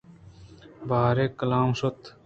باریں کلام شت